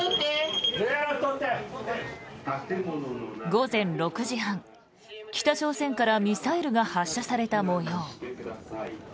午前６時半、北朝鮮からミサイルが発射された模様。